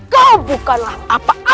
kau bukanlah apa apa